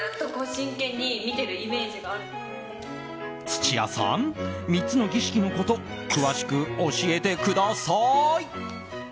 土屋さん、３つの儀式のこと詳しく教えてください！